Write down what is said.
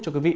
cho quý vị